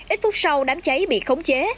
ít phút sau đám cháy bị khống chế